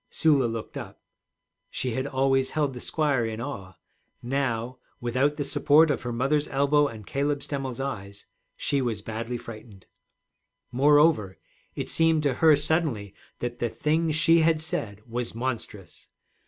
Sula looked up. She had always held the squire in awe; now, without the support of her mother's elbow and Caleb Stemmel's eyes, she was badly frightened. Moreover, it seemed to her suddenly that the thing she had said was monstrous.